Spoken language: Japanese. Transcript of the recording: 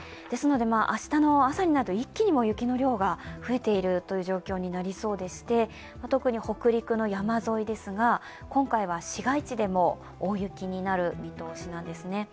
ですので、明日の朝になると一気に雪の量が増えているという状況になりそうでして、特に北陸の山沿いですが今回は市街地でも大雪になる見通しなんですね。